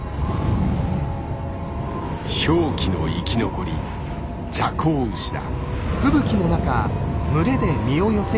氷期の生き残りジャコウウシだ。